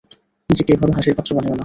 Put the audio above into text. নিজেকে এভাবে হাসির পাত্র বানিও না।